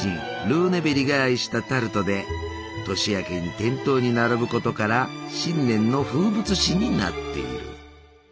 ルーネベリが愛したタルトで年明けに店頭に並ぶことから新年の風物詩になっている。